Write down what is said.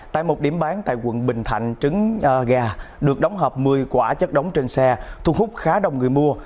tại một điểm bán tại quận bình thạnh trứng gà được đóng hợp một mươi quả chất đóng trên xe thu hút khá đông người mua